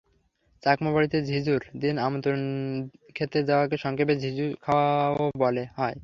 চাকমা বাড়িতে বিঝুর দিন নিমন্ত্রণ খেতে যাওয়াকে সংক্ষেপে বিঝু খাওয়াও বলা হয়।